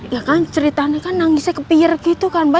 ya kan ceritanya kan nangisnya kepir gitu kan mbak